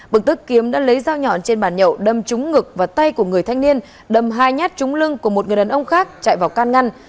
bực tức kiếm đã lấy dao nhọn trên bàn nhậu đâm trúng ngực và tay của người thanh niên đâm hai nhát trúng lưng của một người đàn ông khác chạy vào can ngăn